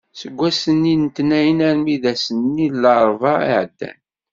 Seg wass-nni n letnayen armi d ass-nni n larebɛa i iɛeddan.